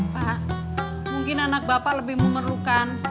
pak mungkin anak bapak lebih memerlukan